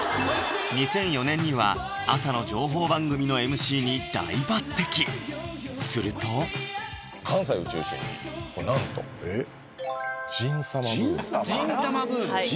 ２００４年には朝の情報番組のＭＣに大抜てきすると関西を中心になんと「陣様ブーム」？